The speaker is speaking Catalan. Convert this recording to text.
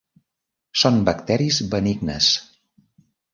Són bacteris benignes.